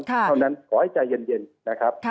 เพราะฉะนั้นขอให้ใจเย็นนะครับ